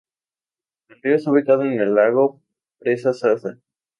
El río está ubicado en el lago Presa Zaza.